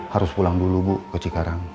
harus pulang dulu bu ke cikarang